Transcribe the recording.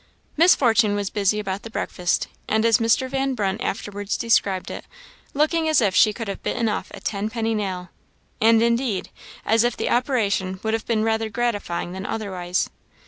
Miss Fortune was busy about the breakfast, and as Mr. Van Brunt afterwards described it, "looking as if she could have bitten off a ten penny nail," and, indeed, as if the operation would have been rather gratifying than otherwise.